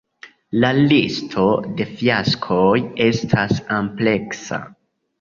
La listo de fiaskoj estas ampleksa.